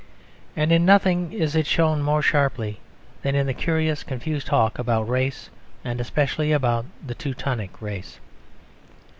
And in nothing is it shown more sharply than in the curious confused talk about Race and especially about the Teutonic Race.